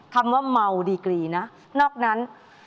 คำว่าเมาดีกรีนะนอกนั้น